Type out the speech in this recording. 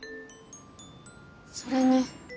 それに。